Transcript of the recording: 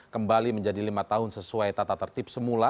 kembali menjadi lima tahun sesuai tata tertib semula